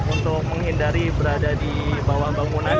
untuk menghindari berada di bawah bangunan